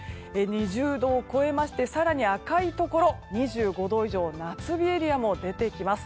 ２０度を超えまして更に赤いところ２５度以上の夏日エリアも出てきます。